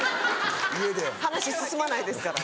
話進まないですから。